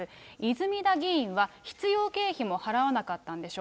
泉田議員は、必要経費も払わなかったんでしょ。